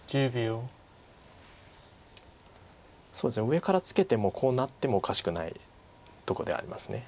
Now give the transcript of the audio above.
上からツケてもこうなってもおかしくないとこではあります。